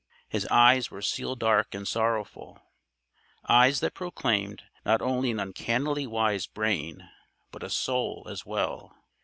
His eyes were seal dark and sorrowful eyes that proclaimed not only an uncannily wise brain, but a soul as well.